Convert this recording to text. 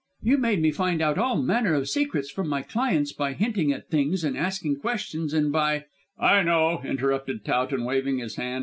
"You made me find out all manner of secrets from my clients by hinting at things and asking questions and by " "I know," interrupted Towton waving his hand.